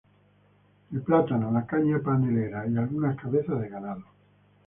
El plátano, la caña panelera y algunas cabezas de ganado.